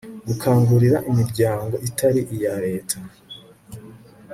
gukangurira imiryango itari iya leta